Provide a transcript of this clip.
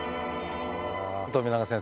富永先生